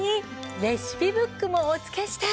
レシピブックもお付けして。